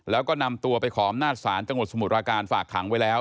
แล้วก็นำตัวไปขออำนาจศาลจังหวัดสมุทรปราการฝากขังไว้แล้ว